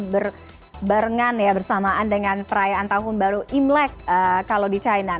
berbarengan ya bersamaan dengan perayaan tahun baru imlek kalau di china